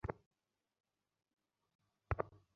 আমি ম্যাডেলিন আর বাচ্চাদের নিয়ে যাবো।